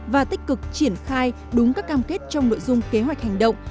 và tích cực triển khai đúng các cam kết trong nội dung kế hoạch hành động